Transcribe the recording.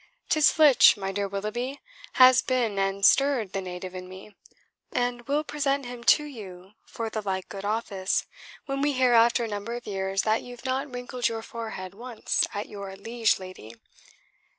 'Tis Flitch, my dear Willoughby, has been and stirred the native in me, and we'll present him to you for the like good office when we hear after a number of years that you've not wrinkled your forehead once at your liege lady.